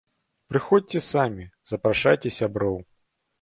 Прыходзьце самі, запрашайце сяброў!